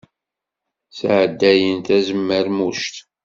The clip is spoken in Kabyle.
Ssedɛɛayen tazemmermuct.